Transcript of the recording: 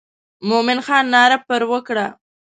مومن خان ناره پر وکړه.